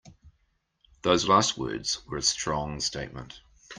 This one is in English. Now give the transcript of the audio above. Those last words were a strong statement.